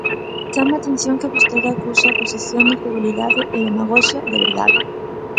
Chama a atención que vostede acuse á oposición de frivolidade e demagoxia, de verdade.